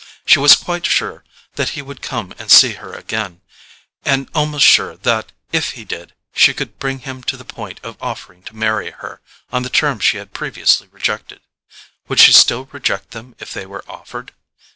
She was quite sure that he would come and see her again, and almost sure that, if he did, she could bring him to the point of offering to marry her on the terms she had previously rejected. Would she still reject them if they were offered?